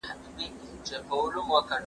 شتمني په قناعت کي لیدل کیږي.